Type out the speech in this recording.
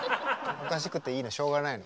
おかしくていいのしょうがないの。